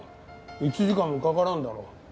１時間もかからんだろ。